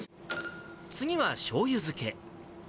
次はしょうゆ漬け。